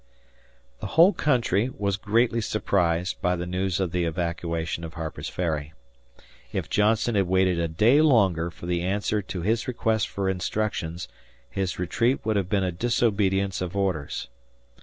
The whole country was greatly surprised by the news of the evacuation of Harper's Ferry. If Johnston had waited a day longer for the answer to his request for instructions, his retreat would have been a disobedience of orders.